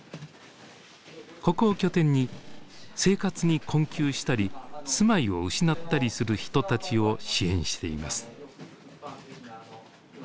ここを拠点に生活に困窮したり住まいを失ったりする人たちを支援しています。